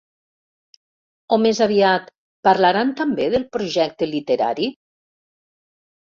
O més aviat, ¿parlaran també del projecte literari?